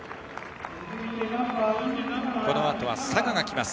このあとは佐賀が来ます。